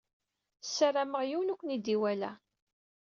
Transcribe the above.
Sarameɣ yiwen ur ken-id-iwala.